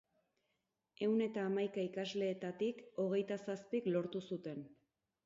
Ehun eta hamaika ikasleetatik hogeita zazpik lortu zuten.